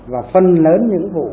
và phân lớn những vụ trả lời